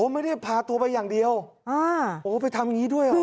ไม่ได้พาตัวไปอย่างเดียวโอ้ไปทำอย่างนี้ด้วยเหรอ